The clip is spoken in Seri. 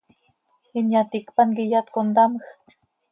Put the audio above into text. ¿Inyaticpan quih iyat contamjc?